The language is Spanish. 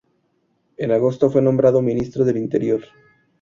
En agosto fue nombrado Ministro del Interior.